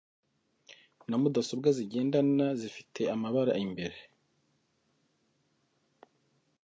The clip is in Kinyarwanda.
na mudasobwa zigendanwa zifite amabara imbere